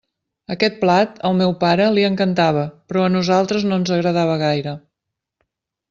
Aquest plat, al meu pare, li encantava, però a nosaltres no ens agradava gaire.